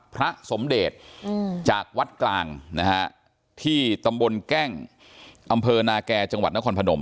พระสมเดชจากวัดกลางนะฮะที่ตำบลแก้งอำเภอนาแก่จังหวัดนครพนม